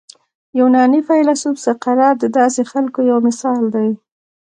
یوناني فیلسوف سقراط د داسې خلکو یو مثال دی.